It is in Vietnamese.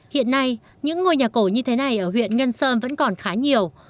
hiện nay những ngôi nhà cổ như thế này ở huyện ngân sơn vẫn còn khá nhiều